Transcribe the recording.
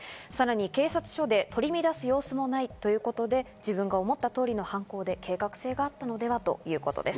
さらに警察署で取り乱す様子もないということで、自分が思った通りの犯行で、計画性があったのではということです。